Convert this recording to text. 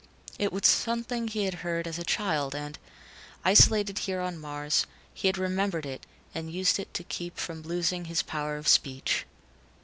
It was something he had heard as a child and, isolated here on Mars, he had remembered it and used it to keep from losing his power of speech.